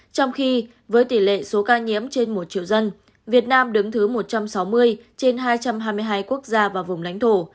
trong khi với tỷ lệ số ca nhiễm trên một triệu dân việt nam đứng thứ một trăm sáu mươi trên hai trăm hai mươi hai quốc gia và vùng lãnh thổ